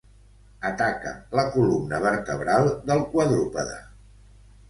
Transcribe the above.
Ataca la columna vertebral del quadrúpede.